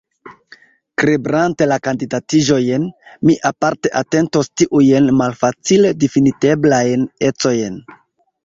Kribrante la kandidatiĝojn, mi aparte atentos tiujn malfacile difineblajn ecojn.